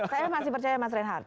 saya masih percaya mas reinhardt